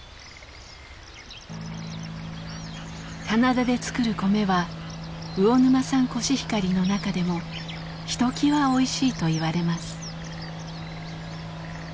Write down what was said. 棚田で作る米は魚沼産コシヒカリの中でもひときわおいしいといわれます。